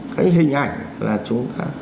cái hình ảnh là chúng ta